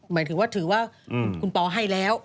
หมายถือว่าคุณปอเราให้แล้ว